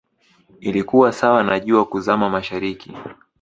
ilikuwa sawa na jua kuzama mashariki